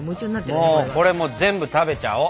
もうこれ全部食べちゃお！